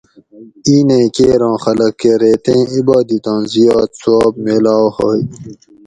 اینیں کیر ہوں خلق کہ ریتیں عبادتاں زیاد ثواب میلاؤ ہوئے